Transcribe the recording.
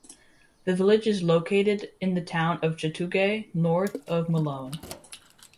The village is located in the town of Chateaugay, northeast of Malone.